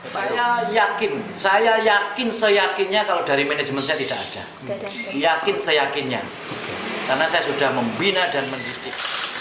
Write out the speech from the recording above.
saya yakin saya yakin seyakinnya kalau dari manajemen saya tidak ada yakin seyakinnya karena saya sudah membina dan mendidik